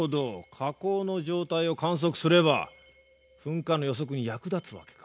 火口の状態を観測すれば噴火の予測に役立つわけか。